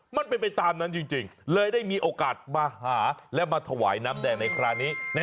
มันเป็นไปตามนั้นจริงเลยได้มีโอกาสมาหาและมาถวายน้ำแดงในคราวนี้